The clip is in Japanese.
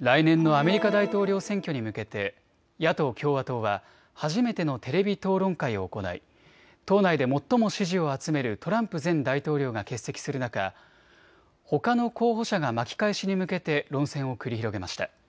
来年のアメリカ大統領選挙に向けて野党・共和党は初めてのテレビ討論会を行い党内で最も支持を集めるトランプ前大統領が欠席する中、ほかの候補者が巻き返しに向けて論戦を繰り広げました。